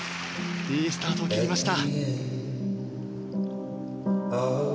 いいスタートを切りました。